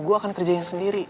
gue akan kerjain sendiri